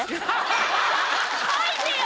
書いてよ